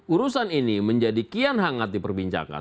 urusan ini menjadi kian hangat diperbincangkan